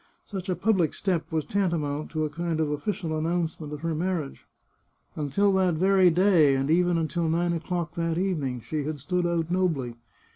Such a public step was tantamount to a kind of official announcement of her marriage. Until that very day, and even until nine o'clock that evening, she had stood out nobly.